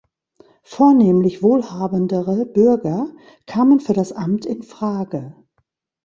Vornehmlich wohlhabendere Bürger kamen für das Amt in Frage.